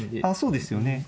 あそうですよね